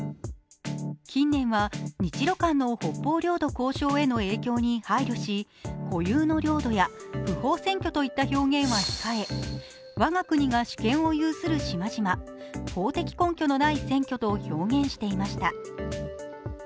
近年は日ロ間の北方領土交渉への影響に配慮し、「固有の領土」や「不法占拠」といった表現は控え、「我が国が主権を有する島々」「法的根拠のない占拠」と表現していました。